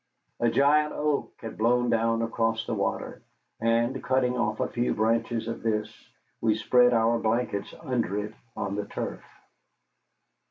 A giant oak had blown down across the water, and, cutting out a few branches of this, we spread our blankets under it on the turf.